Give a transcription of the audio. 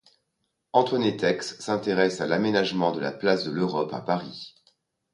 Antoine Étex s'intéresse à l'aménagement de la place de l'Europe à Paris.